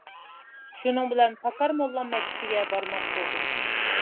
شۇنىڭ بىلەن، پاكار موللام مەكتىپىگە بارماس بولدۇم.